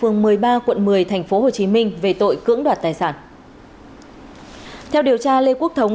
nó đi nó đi luôn đi luôn